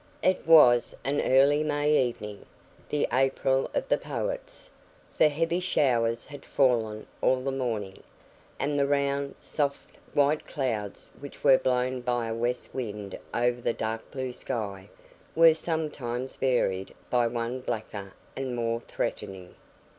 It was an early May evening the April of the poets; for heavy showers had fallen all the morning, and the round, soft, white clouds which were blown by a west wind over the dark blue sky, were sometimes varied by one blacker and more threatening.